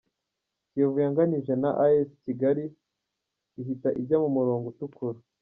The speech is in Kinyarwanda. Kiyovu yanganije na Ayesi Kigali ihita ijya mu murongo utukura .